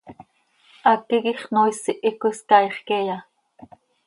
¿Háqui quij xnoois ihic coi scaaix queeya?